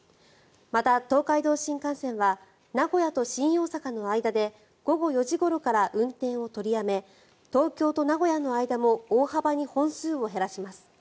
また、東海道新幹線は名古屋と新大阪の間で午後４時ごろから運転を取りやめ東京と名古屋の間も大幅に本数を減らします。